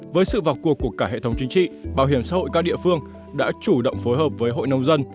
với sự vào cuộc của cả hệ thống chính trị bảo hiểm xã hội các địa phương đã chủ động phối hợp với hội nông dân